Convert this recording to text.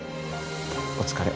お疲れ。